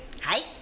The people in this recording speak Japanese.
はい。